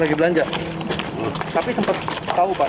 lagi belanja tapi sempat tahu pak